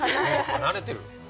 離れてる。